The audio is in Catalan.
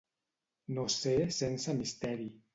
No ser sense misteri.